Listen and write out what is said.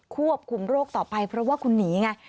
ควบคุมโรคต่อไปเพราะว่าคุณหนีไง